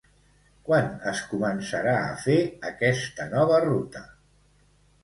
Quan es començarà a fer aquesta nova ruta?